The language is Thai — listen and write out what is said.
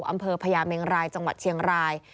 อำเภอพญาเมงรายจังหวัดเชียงราย